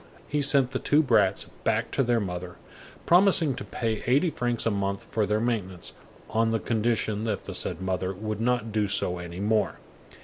He sent the two brats back to their mother, promising to pay eighty francs a month for their maintenance, on the condition that the said mother would not do so any more.